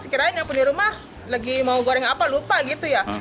kira kira ini yang punya rumah lagi mau goreng apa lupa gitu ya